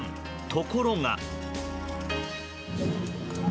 ところが。